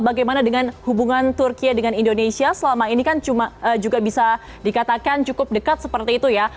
bagaimana dengan hubungan turki dengan indonesia selama ini kan juga bisa dikatakan cukup dekat seperti itu ya